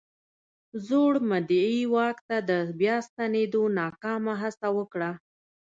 زوړ مدعي واک ته د بیا ستنېدو ناکامه هڅه وکړه.